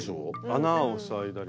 穴を塞いだり。